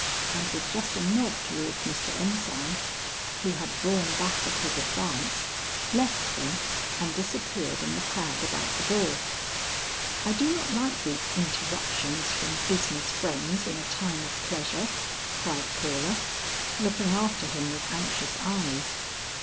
And with just a nod towards Mr. Ensign, who had drawn back at his advance, left them and disappeared in the crowd about the door. "I do not like these interruptions from business friends in a time of pleasure," cried Paula, looking after him with anxious eyes.